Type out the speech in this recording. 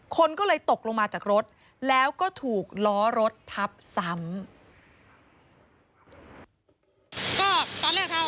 คนก็เลยตกลงมาจากรถแล้วก็ถูกล้อรถทับซ้ำ